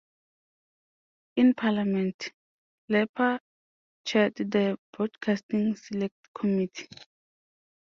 In parliament, Lepper chaired the Broadcasting select committee.